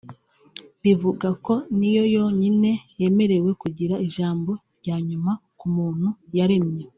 Bivuga ngo niyo yonyine yemerewe kugira ijambo ryanyuma ku muntu yaremye